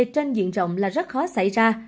trên diện rộng là rất khó xảy ra